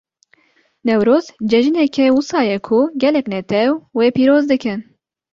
Newroz, cejineke wisa ye ku gelek netew wê pîroz dikin.